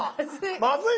まずい。